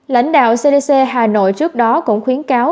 lãnh đạo cdc hà nội trước đó cũng khuyến cáo